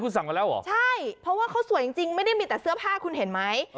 คุณสั่งมาแล้วเหรอใช่เพราะว่าเขาสวยจริงไม่ได้มีแต่เสื้อผ้าคุณเห็นไหม